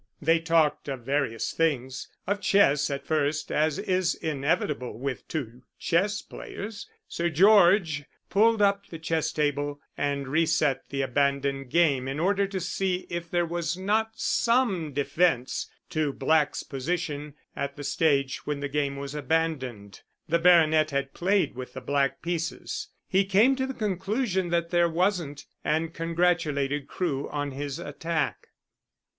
They talked of various things: of chess, at first, as is inevitable with two chess players. Sir George pulled up the chess table and reset the abandoned game in order to see if there was not some defence to Black's position at the stage when the game was abandoned the baronet had played with the black pieces. He came to the conclusion that there wasn't, and congratulated Crewe on his attack.